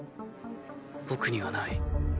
僕にはない。